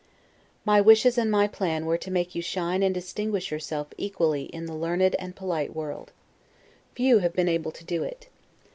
My wishes and my plan were to make you shine and distinguish yourself equally in the learned and the polite world. Few have been able to do it.